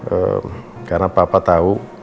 eee karena papa tau